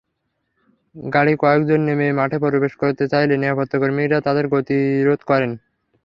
গাড়ি কয়েকজন নেমে মাঠে প্রবেশ করতে চাইলে নিরাপত্তাকর্মীরা তাদের গতিরোধ করেন।